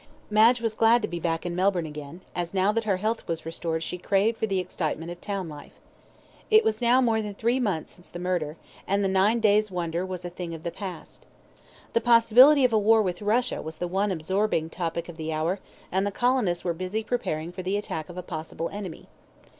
Madge was glad to be back in Melbourne again, as now that her health was restored she craved for the excitement of town life. It was now more than three months since the murder, and the nine days' wonder was a thing of the past. The possibility of a war with Russia was the one absorbing topic of the hour, and the colonists were busy preparing for the attack of a possible enemy.